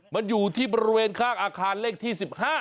มันอยู่ที่บริเวณข้างอาคารเลขที่๑๕